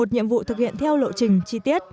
một mươi một nhiệm vụ thực hiện theo lộ trình chi tiết